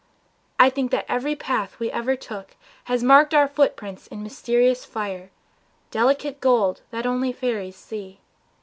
I think that every path we ever took Has marked our footprints in mysterious fire, Delicate gold that only fairies see.